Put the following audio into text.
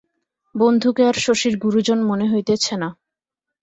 বন্ধুকে আর শশীর গুরুজন মনে হইতেছে না।